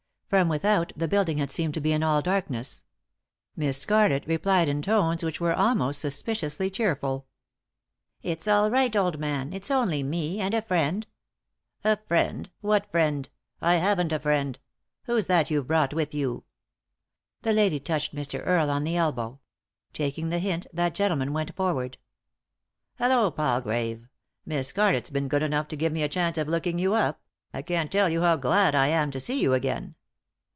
From without the building had seemed to be all in darkness. Miss Scarlett replied in tones which were almost sus piciously cheerful. "It's all right, old man; it's only me— and a friend." " A friend ? What friend ? I haven't a friend. Who's that you've brought with you ?" The lady touched Mr. Earle on the elbow. Taking the hint that gentleman went forward. " Hallo, Palgrave I Miss Scarlett's been good enough to give me a chance of looking you up ; I can't tell you how glad I am to see you again."